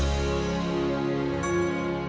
nyonya makan saurnya suami